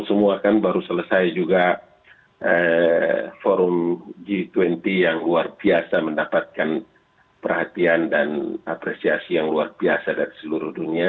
semua kan baru selesai juga forum g dua puluh yang luar biasa mendapatkan perhatian dan apresiasi yang luar biasa dari seluruh dunia